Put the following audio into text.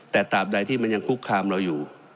แต่ตามใดที่มันยังคุกคามเราอยู่